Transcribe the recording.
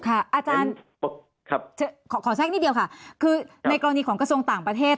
อาจารย์ขอแทรกนิดเดียวค่ะคือในกรณีของกระทรวงต่างประเทศ